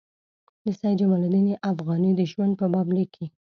د سید جمال الدین افغاني د ژوند په باب لیکي.